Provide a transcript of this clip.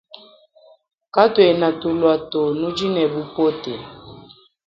Katuena tulua to nudi ne bupote.